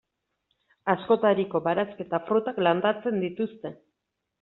Askotariko barazki eta frutak landatzen dituzte.